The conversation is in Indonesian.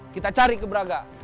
kita cari ke braga